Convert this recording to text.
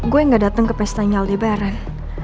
gue gak dateng ke pestanya aldebaran